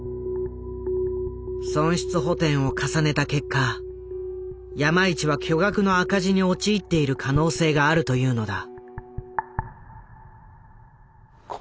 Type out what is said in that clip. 損失補てんを重ねた結果山一は巨額の赤字に陥っている可能性があるというのだ。